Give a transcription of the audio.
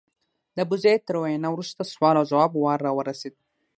د ابوزید تر وینا وروسته سوال او ځواب وار راورسېد.